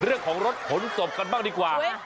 เรื่องของรถขนศพกันบ้างดีกว่า